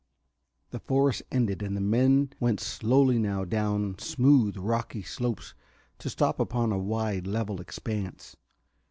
The forest ended, and the men went slowly now down smooth, rocky slopes to stop upon a wide, level expanse.